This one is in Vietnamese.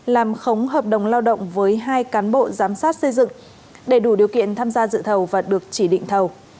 làm khống hợp đồng lao động với hai cán bộ giám sát xây dựng để đủ điều kiện tham gia dự thầu và được chỉ định thầu